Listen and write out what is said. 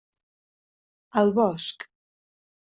Al bosc.